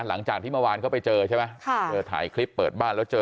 หลังจากที่เมื่อวานเขาไปเจอใช่ไหมค่ะเจอถ่ายคลิปเปิดบ้านแล้วเจอ